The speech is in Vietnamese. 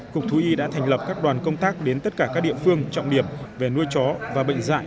cục thú y đã thành lập các đoàn công tác đến tất cả các địa phương trọng điểm về nuôi chó và bệnh dạy